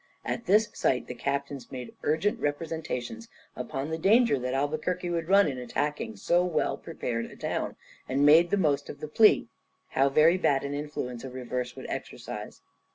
At this sight the captains made urgent representations upon the danger that Albuquerque would run in attacking so well prepared a town, and made the most of the plea how very bad an influence a reverse would exercise.